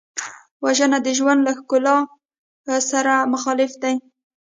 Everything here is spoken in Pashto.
وژنه د ژوند له ښکلا سره مخالفت دی